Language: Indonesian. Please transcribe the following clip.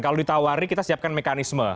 kalau ditawari kita siapkan mekanisme